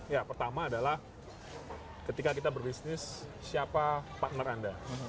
ya pertama adalah ketika kita berbisnis siapa partner anda